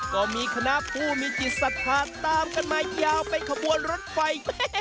ก็มีคณะผู้มีจิตสถานตามกันมายาวไปขบวนรถไฟ